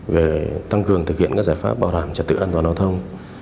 về tăng cường thực hiện các giải pháp bảo đảm trật tự an toàn giao thông